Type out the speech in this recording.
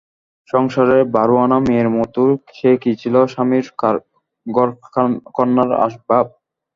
সংসারের বারো-আনা মেয়ের মতো সে কি ছিল স্বামীর ঘরকন্নার আসবাব।